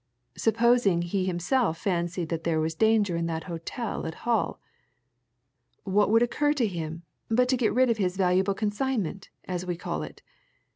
supposing he himself fancied that there was danger in that hotel at Hull? What would occur to him but to get rid of his valuable consignment, as we'll call it?